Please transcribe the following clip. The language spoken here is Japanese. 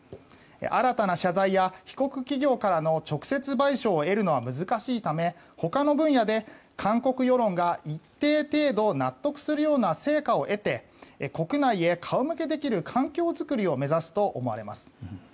新たな謝罪や被告企業からの直接賠償を得るのは難しいため、他の分野で韓国世論が一定程度納得するような成果を得て国内へ顔向けできる環境作りを目指すと思われます。